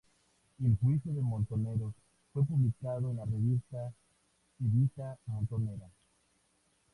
El juicio de Montoneros fue publicado en la revista Evita Montonera.